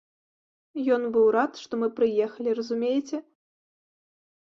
Ён быў рад, што мы прыехалі, разумееце.